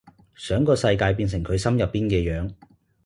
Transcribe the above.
想個世界變成佢心入邊嘅樣